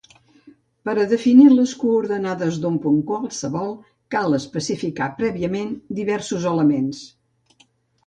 Per a definir les coordenades d'un punt qualsevol, cal especificar prèviament diversos elements.